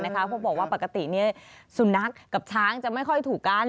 เพราะบอกว่าปกติสุนัขกับช้างจะไม่ค่อยถูกกัน